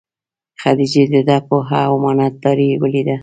خدیجې دده پوهه او امانت داري ولیده.